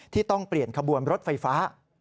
ต้องเปลี่ยนขบวนรถไฟฟ้า